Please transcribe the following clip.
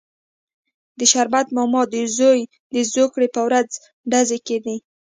د شربت ماما د زوی د زوکړې پر ورځ ډزې کېدې.